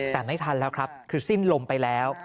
แต่ไม่ทันแล้วครับคือสิ้นลมไปแล้ว